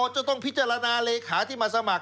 จะต้องพิจารณาเลขาที่มาสมัคร